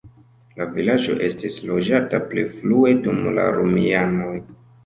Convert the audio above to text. La vilaĝo estis loĝata pli frue dum la romianoj.